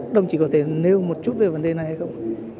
đồng chí có thể nêu một chút về vấn đề này hay không